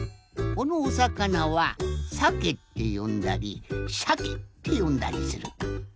このおさかなは「さけ」ってよんだり「しゃけ」ってよんだりする。